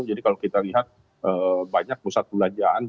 jadi kalau kita lihat banyak pusat perbelanjaan